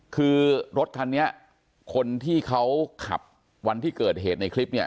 คือรถคันนี้คนที่เขาขับวันที่เกิดเหตุในคลิปเนี่ย